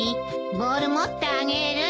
ボール持ってあげる。